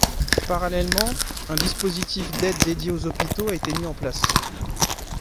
Parallèlement, un dispositif d'aide dédié aux hôpitaux a été mis en place.